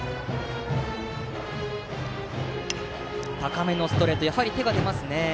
高めのストレートにやはり手が出ますね。